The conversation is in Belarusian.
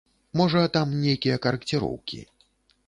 Можа, там нейкія карэкціроўкі.